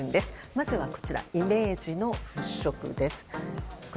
まずは、イメージの払拭です。